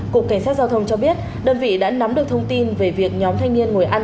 cục cảnh sát giao thông cho biết đơn vị đã nắm được thông tin về việc nhóm thanh niên ngồi ăn